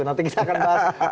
nanti kita akan bahas